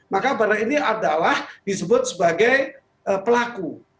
maka barang ini adalah disebut sebagai pelaku